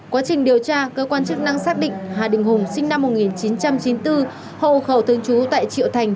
quá trình điều tra cơ quan chức năng xác định hà đình hùng sinh năm một nghìn chín trăm chín mươi bốn hộ khẩu thương chú tại triệu thành